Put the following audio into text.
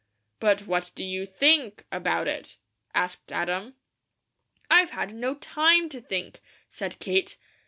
"But what do you THINK about it?" asked Adam. "I've had no TIME to think," said Kate.